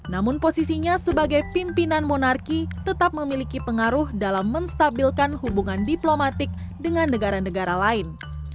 namun posisinya sebagai pimpinan monarki tetap memiliki pengaruh dalam menstabilkan hubungan diplomatik dengan negara negara lain